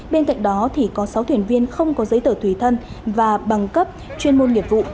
bên cạnh đó có sáu thuyền viên không có giấy tờ tùy thân và bằng cấp chuyên môn nghiệp vụ